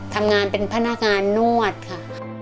ทำงานเป็นพนักงานนวดค่ะ